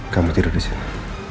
kamu tidur disini